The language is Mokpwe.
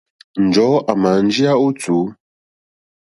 Njɔ̀ɔ́ àmà njíyá ó tùú.